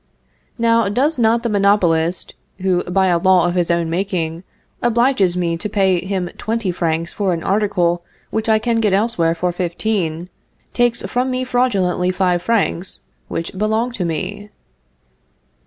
_) Now, does not the monopolist, who, by a law of his own making, obliges me to pay him twenty francs for an article which I can get elsewhere for fifteen, take from me fraudulently five francs, which belong to me?